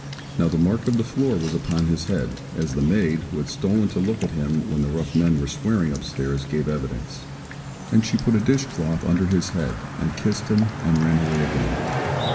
Now the mark of the floor was upon his head, as the maid (who had stolen to look at him, when the rough men were swearing upstairs) gave evidence. And she put a dish cloth under his head, and kissed him, and ran away again.